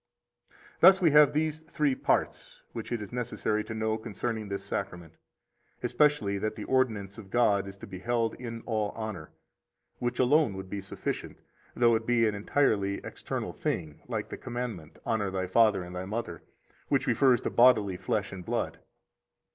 38 Thus we have these three parts which it is necessary to know concerning this Sacrament, especially that the ordinance of God is to be held in all honor, which alone would be sufficient, though it be an entirely external thing, like the commandment, Honor thy father and thy mother, which refers to bodily flesh and blood.